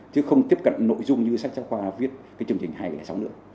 chứ không tiếp cận nội dung như sách giáo khoa viết cái chương trình hai trăm linh sáu nữa